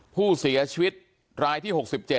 ผู้เสียชีวิตรายที่๖๗